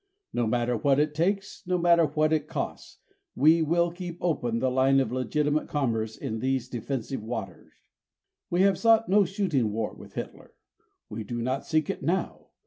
No matter what it takes, no matter what it costs, we will keep open the line of legitimate commerce in these defensive water. We have sought no shooting war with Hitler. We do not seek it now.